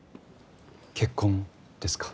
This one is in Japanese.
結婚ですか？